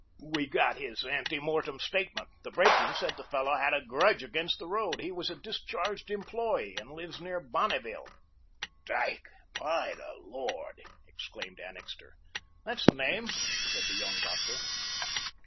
We got his ante mortem statement. The brakeman said the fellow had a grudge against the road. He was a discharged employee, and lives near Bonneville." "Dyke, by the Lord!" exclaimed Annixter. "That's the name," said the young doctor.